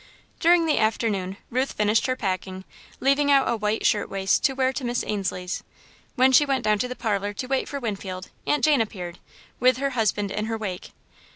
During the afternoon, Ruth finished her packing, leaving out a white shirt waist to wear to Miss Ainslie's. When she went down to the parlour to wait for Winfield, Aunt Jane appeared, with her husband in her wake.